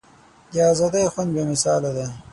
د ازادۍ خوند بې مثاله دی.